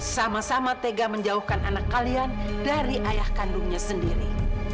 sama sama tega menjauhkan anak kalian dari ayah kandungnya sendiri